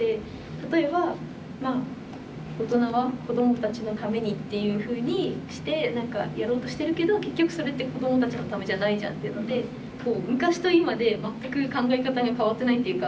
例えばまあ大人は「子どもたちのために」っていうふうにして何かやろうとしてるけど結局それって子どもたちのためじゃないじゃんっていうのでこう昔と今で全く考え方が変わってないっていうか。